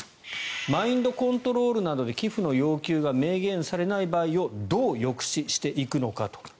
マインドコントロールなどで寄付の要求が明言されない場合をどう抑止していくのかと。